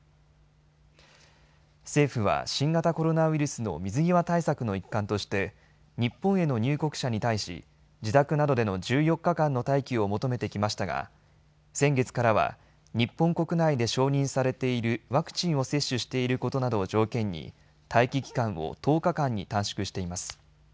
政府は新型コロナウイルスの水際対策の一環として日本への入国者に対し、自宅などでの１４日間の待機を求めてきましたが先月からは日本国内で承認されているワクチンを接種していることなどを条件に待機期間を１０日間に短縮しています。